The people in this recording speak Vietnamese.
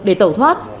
để tẩu thoát